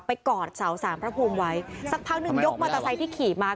กอดเสาสารพระภูมิไว้สักพักหนึ่งยกมอเตอร์ไซค์ที่ขี่มา